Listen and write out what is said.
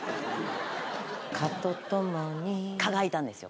蚊と共に蚊がいたんですよ